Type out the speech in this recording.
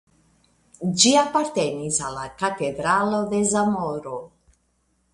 Ĝi apartenis al la Katedralo de Zamoro.